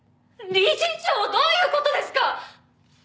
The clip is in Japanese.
理事長どういう事ですか！？